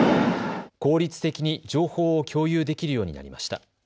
効率的に情報を共有できるようになりました。